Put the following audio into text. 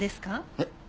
えっ？